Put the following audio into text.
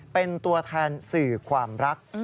เป็นตัวแทนสื่อความรัก